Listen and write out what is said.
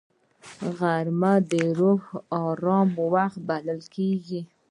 غرمه د روح آرام وخت بلل کېږي